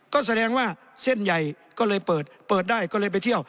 ก็แสดงว่าเส้นใหญ่ก็เลยเปิดเปิดได้ก็เลยไปเที่ยว